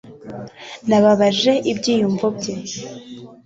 nababaje ibyiyumvo bye